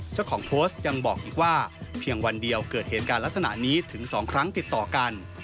เจ้าของโพสต์ยังบอกอีกว่าเพียงวันเดียวเกิดเหตุการณ์ลักษณะนี้ถึง๒ครั้งติดต่อกัน